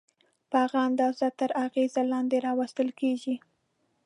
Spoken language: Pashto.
په هغه اندازه تر اغېزې لاندې راوستل کېږي.